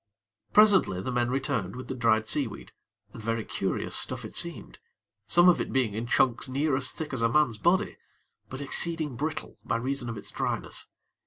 Presently, the men returned with the dried seaweed, and very curious stuff it seemed, some of it being in chunks near as thick as a man's body; but exceeding brittle by reason of its dryness.